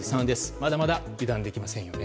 まだまだ油断できませんね。